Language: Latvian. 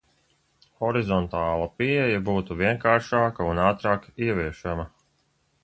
Horizontāla pieeja būtu vienkāršāka un ātrāk ieviešama.